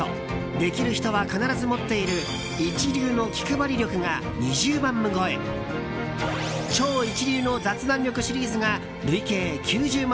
「できる人は必ず持っている一流の気くばり力」が２０万部超え「超一流の雑談力」シリーズが累計９０万